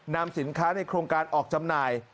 นำสินค้าในโครงการออกจำหน่าย